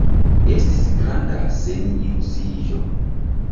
Estis granda seniluziiĝo.